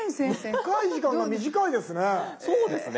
深い時間が短いですね。